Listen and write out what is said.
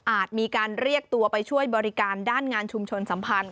มีการเรียกตัวไปช่วยบริการด้านงานชุมชนสัมพันธ์